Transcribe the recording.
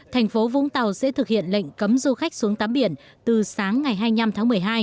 thành phố vũng tàu sẽ thực hiện lệnh cấm du khách xuống tắm biển từ sáng ngày hai mươi năm tháng một mươi hai